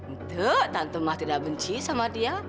nggak tante mah tidak benci sama dia